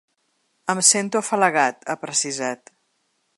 Em sento afalagat, ha precisat.